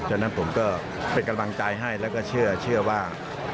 ฉะนั้นผมก็เป็นกำลังใจให้แล้วก็เชื่อว่า